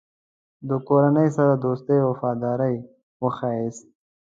د کورنۍ سره دوستي او وفاداري وښیاست.